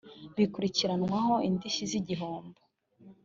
bikurikiranwaho indishyi z igihombo